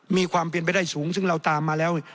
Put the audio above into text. มีความเป็นไปได้สูงซึ่งเราตามมาแล้ว